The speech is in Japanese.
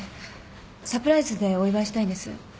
サプライズでお祝いしたいんです。